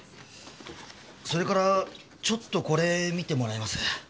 それからちょっとこれ見てもらえます？